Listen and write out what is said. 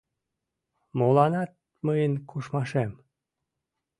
Моланат мыйын кушмашем?